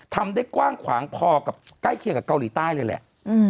ทำได้กว้างขวางพอกับใกล้เคียงกับเกาหลีใต้เลยแหละ